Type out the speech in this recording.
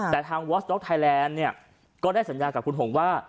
แต่ทางวอสด็อกไทยแลนด์เนี่ยก็ได้สัญญากับคุณหงว่า